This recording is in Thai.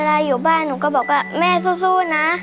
เวลาอยู่บ้านผมก็บอกว่าแม่สู้สู้นะ